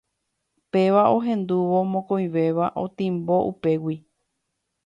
Péva ohendúvo mokõivéva otimbo upégui.